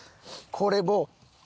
これもう。